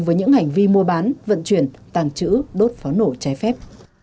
với những hành vi mua bán vận chuyển tàng trữ đốt pháo nổ trái phép